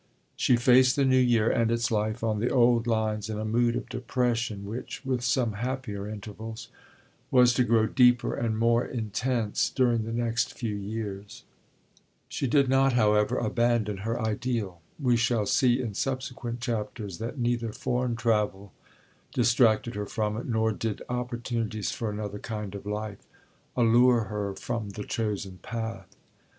She faced the new year and its life on the old lines in a mood of depression which, with some happier intervals, was to grow deeper and more intense during the next few years. She did not, however, abandon her ideal. We shall see in subsequent chapters that neither foreign travel distracted her from it, nor did opportunities for another kind of life allure her from the chosen path.